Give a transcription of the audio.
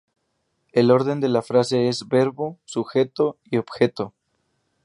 El orden de la frase es verbo, sujeto y objeto.